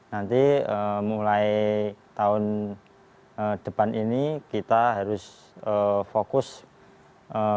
nanti mulai tahun depan ini kita harus fokus ke kejuaraan sea games